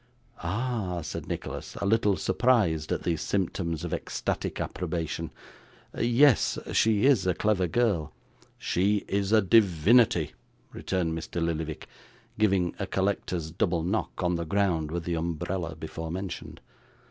'Ah!' said Nicholas, a little surprised at these symptoms of ecstatic approbation. 'Yes she is a clever girl.' 'She is a divinity,' returned Mr. Lillyvick, giving a collector's double knock on the ground with the umbrella before mentioned.